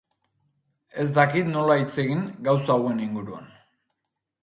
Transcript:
Ez dakit nola hitz egin gauza hauen inguruan.